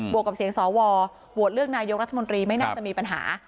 วกกับเสียงสวโหวตเลือกนายกรัฐมนตรีไม่น่าจะมีปัญหา